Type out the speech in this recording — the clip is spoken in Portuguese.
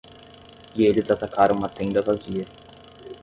E eles atacaram uma tenda vazia.